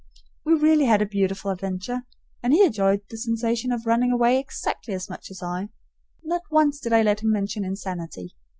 We really had a beautiful adventure, and he enjoyed the sensation of running away exactly as much as I. Not once did I let him mention insanity.